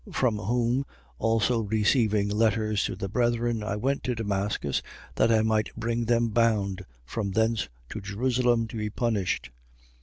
From whom also receiving letters to the brethren, I went to Damascus, that I might bring them bound from thence to Jerusalem to be punished.